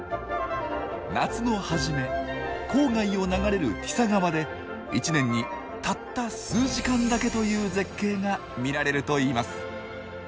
夏の初め郊外を流れるティサ川で一年にたった数時間だけという絶景が見られるといいます。